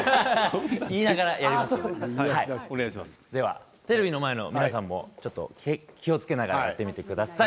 言いながらではテレビの前の皆さんも気をつけながらやってみてください。